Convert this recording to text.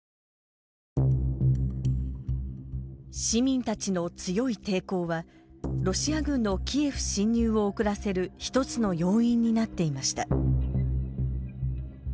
市民たちの強い抵抗はロシア軍のキエフ侵入を遅らせる１つの要因になっていました。